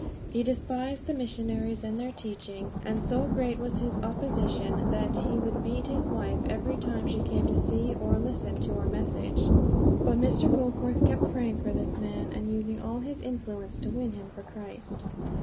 He despised the missionaries and their teaching, and so great was his opposition that he would beat his wife every time she came to see us or listen to our message. But Mr. Goforth kept praying for this man, and using all his influence to win him for Christ.